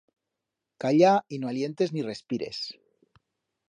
Calla y no alientes ni respires.